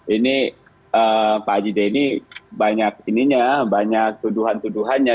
ini pak haji deni banyak ininya banyak tuduhan tuduhannya